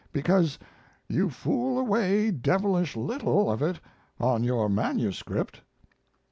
Because you fool away devilish little of it on your manuscript."